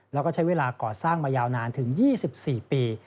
แล้วก็ใช้เวลาก่อสร้างมายาวนานถึง๒๔ปี